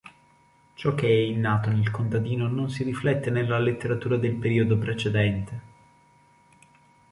Ciò che è innato nel contadino, non si riflette nella letteratura del periodo precedente.